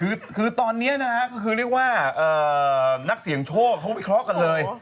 คือตอนนี้นะฮะก็คือเรียกว่านักเสี่ยงโชคเขาวิเคราะห์กันเลย